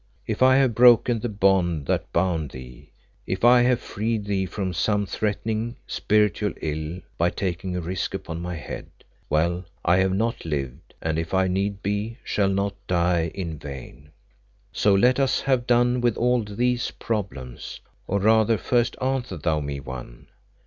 If I have broken the bond that bound thee, if I have freed thee from some threatening, spiritual ill by taking a risk upon my head, well, I have not lived, and if need be, shall not die in vain. So let us have done with all these problems, or rather first answer thou me one.